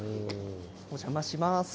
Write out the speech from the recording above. お邪魔します。